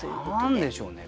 何でしょうね